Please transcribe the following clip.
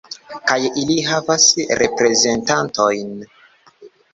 Kaj ili havas reprezentantojn.